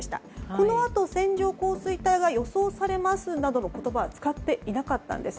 このあと線状降水帯が予想されますなどの言葉は使っていなかったんです。